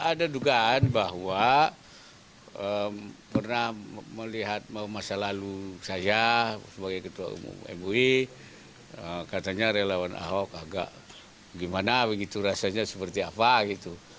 ada dugaan bahwa pernah melihat masa lalu saya sebagai ketua umum mui katanya relawan ahok agak gimana begitu rasanya seperti apa gitu